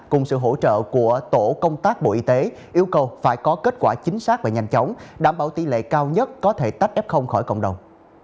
cùng sự hỗ trợ của tổ công tác bộ y tế yêu cầu phải có kết quả chính xác và nhanh chóng đảm bảo tỷ lệ cao nhất có thể tách f khỏi cộng đồng